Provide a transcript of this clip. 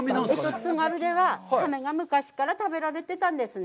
津軽ではサメが昔から食べられてたんですよね。